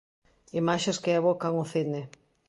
Imaxes que evocan o cine.